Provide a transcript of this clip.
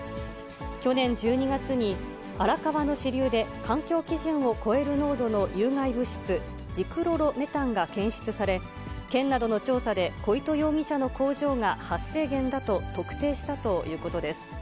去年１２月に、荒川の支流で環境基準を超える濃度の有害物質、ジクロロメタンが検出され、県などの調査で、小糸容疑者の工場が発生源だと特定したということです。